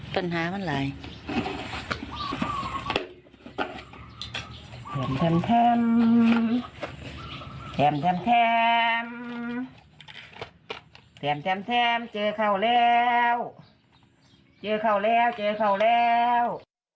แถมเจอเขาแล้ว